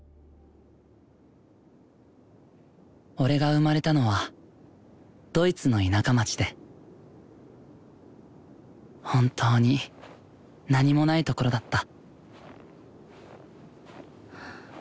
俺が生まれたのはドイツの田舎町で本当に何もないところだった。